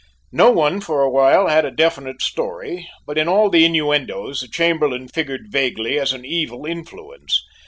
No one for a while had a definite story, but in all the innuendoes the Chamberlain figured vaguely as an evil influence.